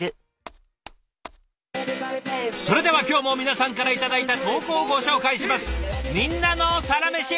それでは今日も皆さんから頂いた投稿をご紹介します。